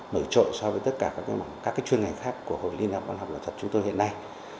mở trội so với tất cả các chuyên ngành khác của hội liên hợp văn học lợi thuật chúng tôi hiện nay